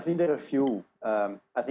jadi seperti hari ini